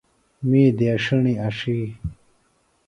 می دیڇِھݨیۡ اڇھی۔